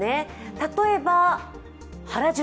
例えば原宿。